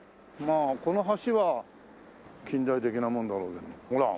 まあこの橋は近代的なものだろうけども。